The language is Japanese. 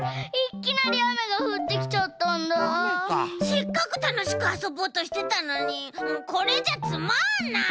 せっかくたのしくあそぼうとしてたのにもうこれじゃつまんない！